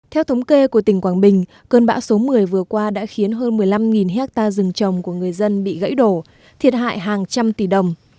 theo thống kê của tỉnh quảng bình cơn bão số một mươi vừa qua đã khiến hơn một mươi năm hectare rừng trồng của người dân bị gãy đổ thiệt hại hàng trăm tỷ đồng